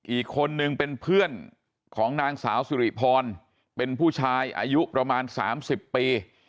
อีกคนนึงเป็นเพื่อนของนางสาวสุริพรเป็นผู้ชายอายุประมาณ๓๐ปี